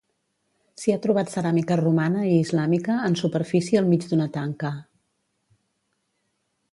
S'hi ha trobat ceràmica romana i islàmica en superfície al mig d'una tanca.